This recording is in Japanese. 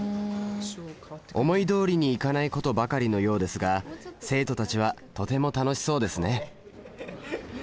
思いどおりにいかないことばかりのようですが生徒たちはとても楽しそうですね。